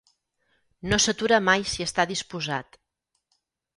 No s'atura mai si està disposat.